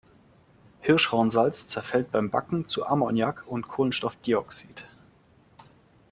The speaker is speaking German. Hirschhornsalz zerfällt beim Backen zu Ammoniak und Kohlenstoffdioxid.